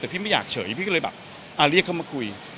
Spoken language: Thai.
แต่พี่ไม่อยากเฉยพี่ก็เลยแบบเรียกเขามาคุย